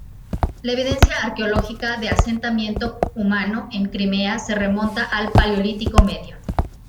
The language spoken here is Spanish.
La evidencia arqueológica de asentamiento humano en Crimea se remonta al Paleolítico Medio.